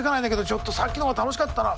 ちょっとさっきの方が楽しかったな。